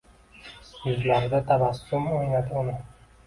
Yuzlarida tabassum o‘ynadi uni.